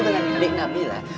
dengan adik nabilah